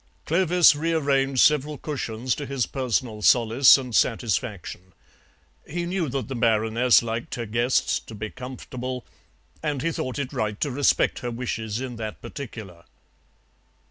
Clovis rearranged several cushions to his personal solace and satisfaction; he knew that the Baroness liked her guests to be comfortable, and he thought it right to respect her wishes in that particular.